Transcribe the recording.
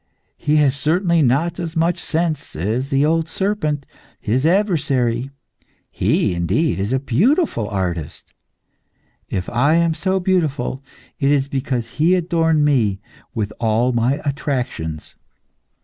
He has certainly not as much sense as the old serpent, His adversary. He, indeed, is a wonderful artist. If I am so beautiful, it is because he adorned me with all my attractions.